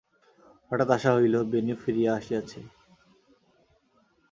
হঠাৎ আশা হইল, বেণু ফিরিয়া আসিয়াছে।